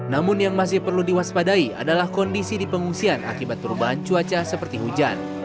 namun yang masih perlu diwaspadai adalah kondisi di pengungsian akibat perubahan cuaca seperti hujan